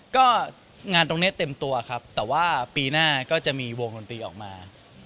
ก็งานตรงนี้เต็มตัวครับแต่ว่าปีหน้าก็จะมีวงดนตรีออกมา